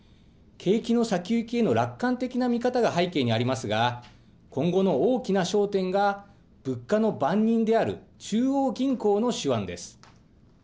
景気の先行きへの楽観的な見方が背景にありますが、今後の大きな焦点が物価の番人である中央銀行の手腕です。